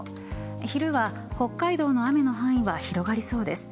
昼は北海道の雨の範囲は広がりそうです。